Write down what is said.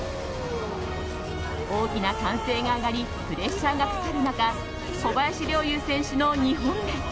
大きな歓声が上がりプレッシャーがかかる中小林陵侑選手の２本目。